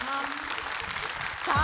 さあ